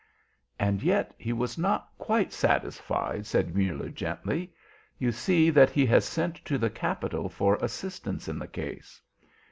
"And yet he was not quite satisfied," said Muller gently. "You see that he has sent to the Capital for assistance on the case."